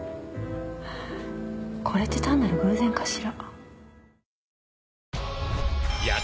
これって単なる偶然かしら？